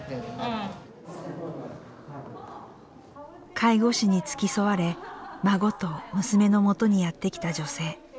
介護士に付き添われ孫と娘のもとにやってきた女性。